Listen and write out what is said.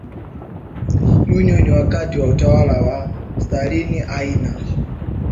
Union wakati wa utawala wa Stalin Aina